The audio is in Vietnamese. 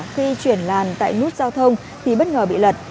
khi chuyển làn tại nút giao thông thì bất ngờ bị lật